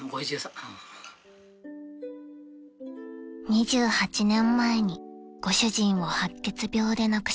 ［２８年前にご主人を白血病で亡くしました］